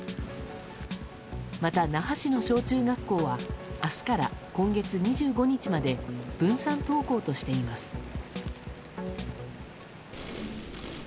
また那覇市の小中学校は明日から今月２５日まで分散登校としています。